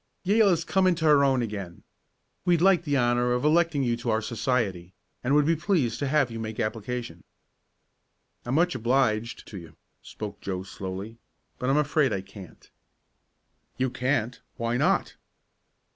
Yale has come into her own again. We'd like the honor of electing you to our society, and would be pleased to have you make application." "I'm much obliged to you," spoke Joe slowly, "but I'm afraid I can't." "You can't! Why not?"